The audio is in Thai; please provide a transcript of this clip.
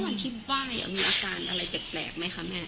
นุ้ยมีอาการอะไรเจ็บแปลกไหมครับแม่